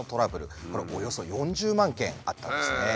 これおよそ４０万件あったんですね。